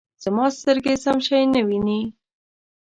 زما سترګې سم شی نه وینې